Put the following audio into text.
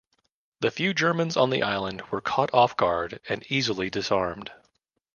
The few Germans on the island were caught off guard and easily disarmed.